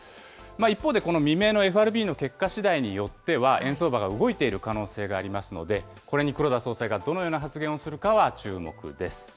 一方でこの未明のＦＲＢの結果しだいによっては、円相場が動いている可能性がありますので、これに黒田総裁がどのような発言をするかは注目です。